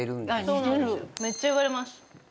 めっちゃ言われます。